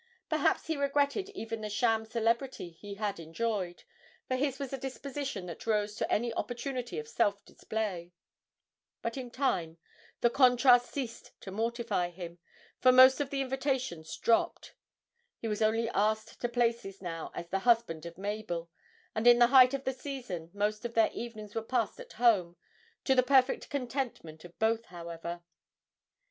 Perhaps he regretted even the sham celebrity he had enjoyed, for his was a disposition that rose to any opportunity of self display but in time the contrast ceased to mortify him, for most of the invitations dropped; he was only asked to places now as the husband of Mabel, and in the height of the season most of their evenings were passed at home, to the perfect contentment of both, however.